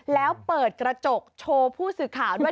แล้วเปิดกระจกโชว์ผู้สื่อข่าวด้วย